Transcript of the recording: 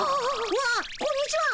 わっこんにちは。